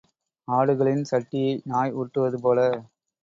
ஆடுகளின் சட்டியை நாய் உருட்டுவது போல.